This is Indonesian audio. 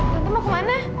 tante mau kemana